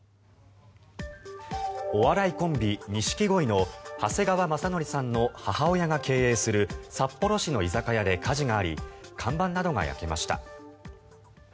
お笑いコンビ、錦鯉の長谷川雅紀さんの母親が経営する札幌市の居酒屋で火事があり看板などが焼けました。